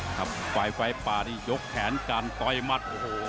ครับไฟปากนี่ยกแขนกันต่อยมัด